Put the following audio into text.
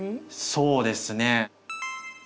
そうですね。